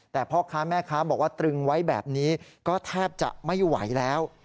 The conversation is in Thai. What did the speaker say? แต่พ่อค้าแม่ค้าบอกว่าตรึงไว้แบบนี้ก็แทบจะไม่ไหวแล้ว